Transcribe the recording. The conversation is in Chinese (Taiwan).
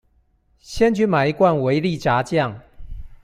先去買一罐維力炸醬